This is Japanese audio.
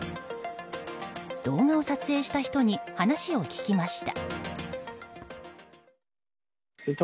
動画を撮影した人に話を聞きました。